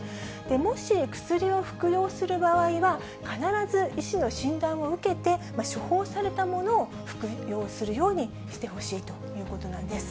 もし薬を服用する場合は、必ず医師の診断を受けて、処方されたものを服用するようにしてほしいということなんです。